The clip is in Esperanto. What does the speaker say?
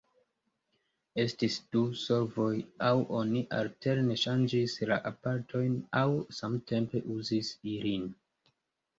Estis du solvoj, aŭ oni alterne ŝanĝis la aparatojn, aŭ samtempe uzis ilin.